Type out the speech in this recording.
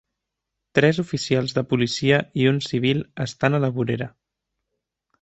Tres oficials de policia i un civil estan a la vorera.